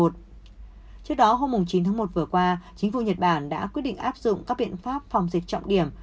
trước đó hôm chín tháng một vừa qua chính phủ nhật bản đã quyết định áp dụng các biện pháp phòng dịch trọng điểm